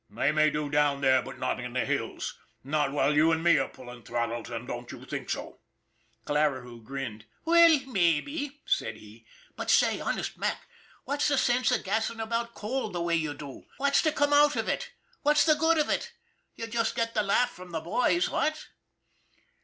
They may do down there, but not in the hills. Not while you and me are pulling throttles, and don't you think so." Clarihue grinned. " Well, mabbe," said he. " But say, honest, Mac, McQUEEN'S HOBBY 277 what's the sense of gassing about coal the way you do? What's to come out of it? What's the good of it? You just get the laugh from the boys, what?"